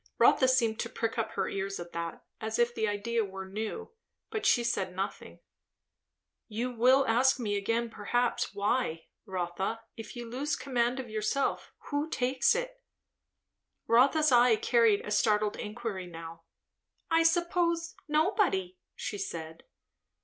Rotha seemed to prick up her ears at that, as if the idea were new, but she said nothing. "You will ask me again perhaps why? Rotha, if you lose command of yourself, who takes it?" Rotha's eye carried a startled inquiry now. "I suppose nobody," she said.